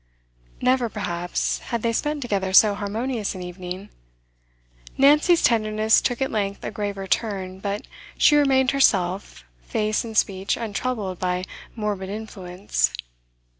Never, perhaps, had they spent together so harmonious an evening. Nancy's tenderness took at length a graver turn, but she remained herself, face and speech untroubled by morbid influence.